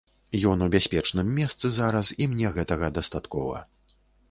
Ён у бяспечным месцы зараз, і мне гэтага дастаткова.